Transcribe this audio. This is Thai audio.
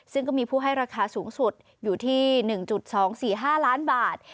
ซึ่งก็มีผู้ให้ราคาสูงสุดอยู่ที่๑๒๔๕ล้านบาท